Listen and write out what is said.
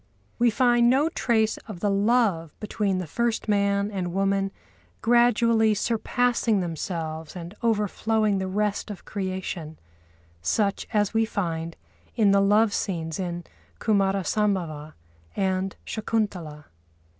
We find no trace of the love between the first man and woman gradually surpassing themselves and overflowing the rest of creation, such as we find in the love scenes in Kumâra Sambhava and Shakuntalâ.